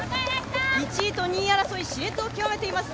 １位と２３位争いしれつを極めています